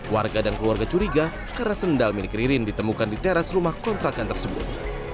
warga dan keluarga curiga karena sendal milik ririn ditemukan di teras rumah kontrakan tersebut